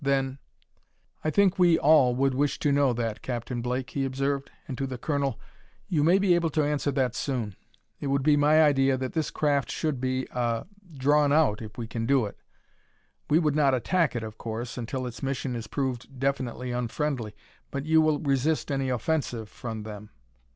Then "I think we all would wish to know that, Captain Blake," he observed. And to the colonel: "You may be able to answer that soon. It would be my idea that this craft should be ah drawn out, if we can do it. We would not attack it, of course, until its mission is proved definitely unfriendly, but you will resist any offensive from them.